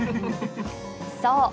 そう。